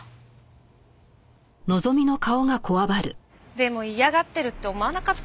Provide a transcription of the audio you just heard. でも嫌がってるって思わなかった。